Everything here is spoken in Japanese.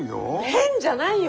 変じゃないよ！